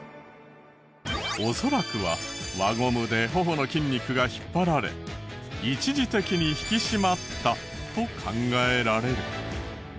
恐らくは輪ゴムで頬の筋肉が引っ張られ一時的に引き締まったと考えられる。